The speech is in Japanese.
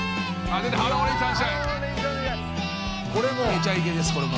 「『めちゃイケ』です。これも」